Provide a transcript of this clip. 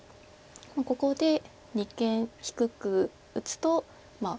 ここで二間低く打つとまあ